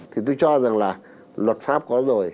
thì tôi cho rằng là luật pháp có rồi